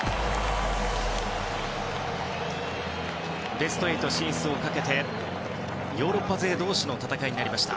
ベスト８進出をかけてヨーロッパ勢同士の戦いになりました。